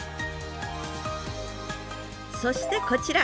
そしてこちら。